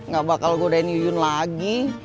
gak bakal godain yuyun lagi